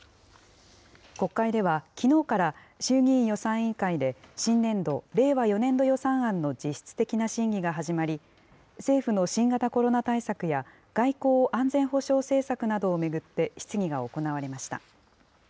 国会ではきのうから衆議院予算委員会で、新年度・令和４年度予算案の実質的な審議が始まり、政府の新型コロナ対策や、外交・安全保障政策などを巡って質疑が行われました。